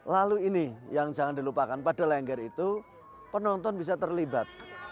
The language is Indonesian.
lalu ini yang jangan dilupakan pada lengger itu penonton bisa terlibat